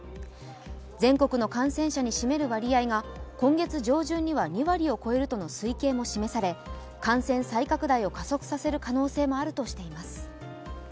全国の感染者に占める割合が今月上旬には２割を超えるとの推計も示され感染再拡大を加速させる可能性もあるとしています。